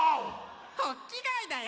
ホッキガイだよ。